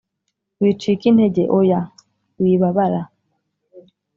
Wicika intege, oya wibabaraaa